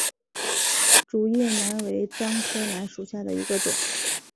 竹叶楠为樟科楠属下的一个种。